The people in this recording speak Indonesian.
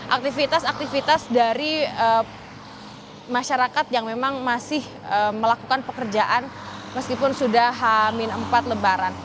aktivitas aktivitas dari masyarakat yang memang masih melakukan pekerjaan meskipun sudah hamin empat lebaran